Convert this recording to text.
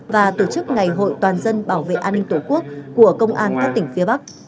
và tổ chức ngày hội toàn dân bảo vệ an ninh tổ quốc của công an các tỉnh phía bắc